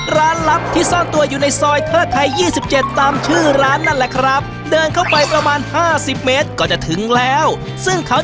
ร้านลับที่ซ่อนตัวอยู่ในซอยเทอร์ไทย๒๗ตามชื่อร้านนั่นแหละครับ